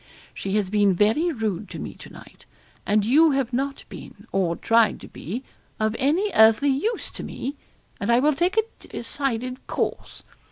'She has been very rude to me to night; and you have not been, or tried to be, of any earthly use to me; and I will take a decided course.